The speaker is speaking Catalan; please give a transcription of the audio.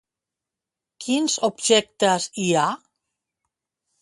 Quins objectes hi ha?